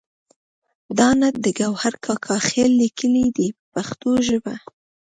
دا نعت د ګوهر کاکا خیل لیکلی دی په پښتو ژبه.